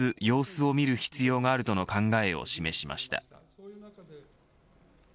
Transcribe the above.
様子を見る必要があるとの考えを示しました。